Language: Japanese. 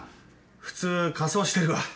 普通火葬してるわ。